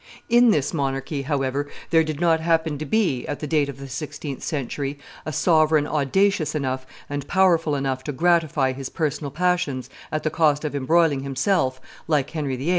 In this monarchy, however, there did not happen to be, at the date of the sixteenth century, a sovereign audacious enough and powerful enough to gratify his personal passions at the cost of embroiling himself, like Henry VIII.